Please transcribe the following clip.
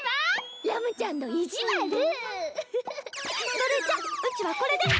それじゃあうちはこれで。